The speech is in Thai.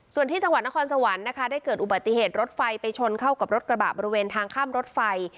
ส่วนที่จังหวัดนครสวรรค์นะคะได้เกิดอุบัติเหตุรถไฟไปชนเข้ากับรถกระบะบริเวณทางข้ามรถไฟ